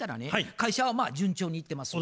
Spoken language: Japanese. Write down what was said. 会社はまあ順調にいってますと。